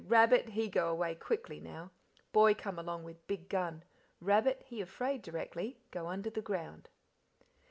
Rabbit, he go away quickly now. Boy come along with big gun, rabbit he afraid directly, go under the ground."